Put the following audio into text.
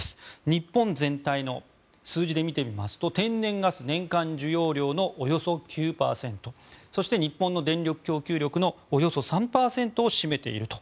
日本全体の数字で見てみますと天然ガス年間需要量のおよそ９％そして、日本の電力供給力のおよそ３％を占めていると。